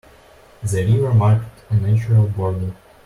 The river marked a natural border.